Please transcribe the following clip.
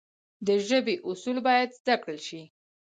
د ژبي اصول باید زده کړل سي.